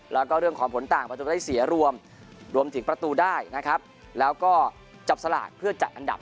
แล้วก็เรื่องของผลต่างประตูได้เสียรวมรวมถึงประตูได้นะครับแล้วก็จับสลากเพื่อจัดอันดับ